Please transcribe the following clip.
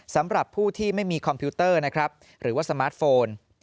สำหรับผู้ที่ไม่มีคอมพิวเตอร์นะครับหรือว่าสมาร์ทโฟน